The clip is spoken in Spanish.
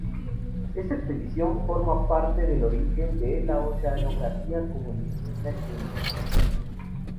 Esta expedición forma parte del origen de la oceanografía como disciplina científica.